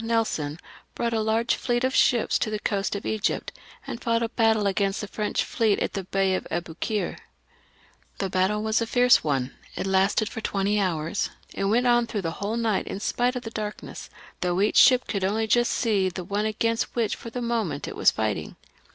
Nelson, brought a large fleet of ships to the coast of Egypt, and fought a battle against the French fleet in the Bay of Aboukir. The battle was a very fierce one ; it lasted for twenty hours, and went on through the whole night in spite of the darkness, though each ship could only just see the ship against which for the moment it was fighting.